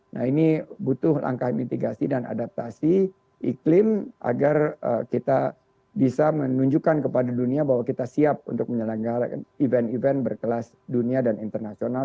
nah ini butuh langkah mitigasi dan adaptasi iklim agar kita bisa menunjukkan kepada dunia bahwa kita siap untuk menyelenggarakan event event berkelas dunia dan internasional